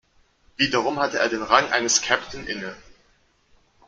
Wiederum hatte er den Rang eines Captain inne.